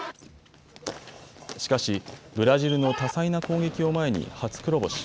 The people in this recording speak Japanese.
しかしブラジルの多彩な攻撃を前に初黒星。